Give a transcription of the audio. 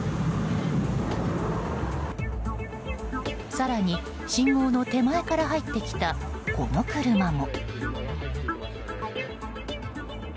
更に信号の手前から入ってきたこの車も。